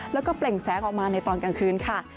แล้วก็เปล่งแสงออกมาในตอนกลางคืนค่ะ